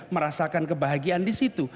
merasakan kebahagiaan disitu